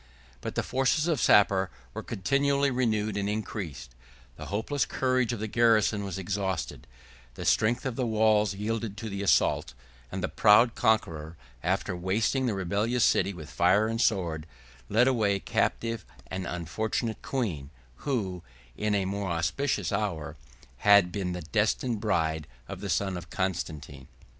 But the forces of Sapor were continually renewed and increased; the hopeless courage of the garrison was exhausted; the strength of the walls yielded to the assault; and the proud conqueror, after wasting the rebellious city with fire and sword, led away captive an unfortunate queen; who, in a more auspicious hour, had been the destined bride of the son of Constantine.